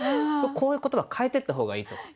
こういう言葉変えていった方がいいと思う。